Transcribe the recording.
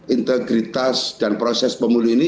integritas dan proses pemilu ini